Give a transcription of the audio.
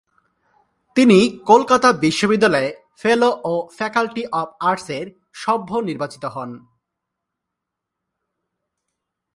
তিনি কলকাতা বিশ্ববিদ্যালয়ের ‘ফেলো’ ও ‘ফ্যাকাল্টি অব আর্টস’-এর সভ্য নির্বাচিত হন।